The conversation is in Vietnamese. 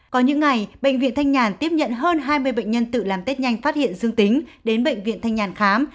có những ngày bệnh viện thanh nhàn tiếp nhận hơn hai mươi bệnh nhân tự làm tết nhanh phát hiện dương tính đến bệnh viện thanh nhàn khám